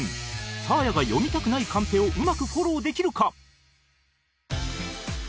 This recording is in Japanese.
サーヤが読みたくないカンペをうまくフォローできるか？